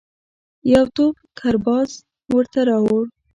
یو توپ کرباس ورته راووړ.